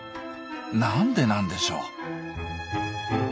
なんでなんでしょう？